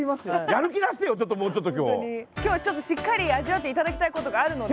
今日はちょっとしっかり味わっていただきたいことがあるので。